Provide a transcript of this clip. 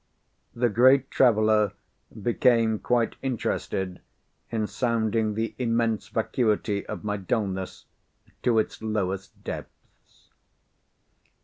The great traveller became quite interested in sounding the immense vacuity of my dulness to its lowest depths.